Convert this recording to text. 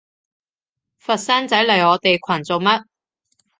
佛山仔嚟我哋群做乜？